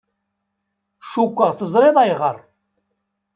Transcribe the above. Cukkeɣ teẓriḍ ayɣer.